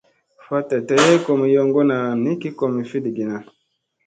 Faɗta day ay komi yoŋgona nikki komi fiɗigina.